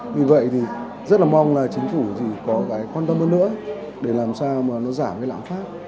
vì vậy thì rất là mong là chính phủ thì có cái quan tâm hơn nữa để làm sao mà nó giảm cái lãng phát